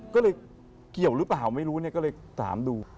ก็เลยเกี่ยวหรือเปล่าไม่รู้เนี่ยก็เลยถามดู